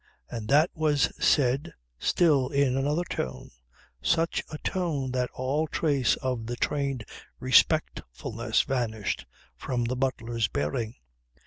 And that was said still in another tone, such a tone that all trace of the trained respectfulness vanished from the butler's bearing.